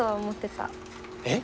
えっ？